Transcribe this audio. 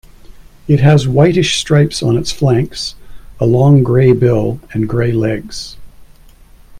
It has whitish stripes on its flanks, a long grey bill and grey legs.